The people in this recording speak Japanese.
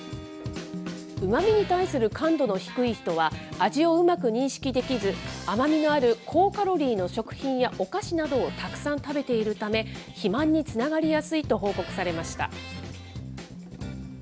うまみに対する感度の低い人は、味をうまく認識できず、甘みのある高カロリーの食品やお菓子などをたくさん食べているため、肥満につながりやすいと報告されました。